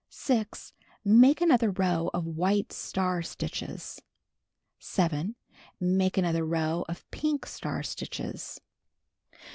6. Make another row of white star stitches. 7. Make another row of pink star stitches.